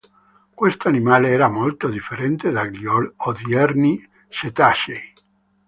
Questo animale era molto differente dagli odierni cetacei.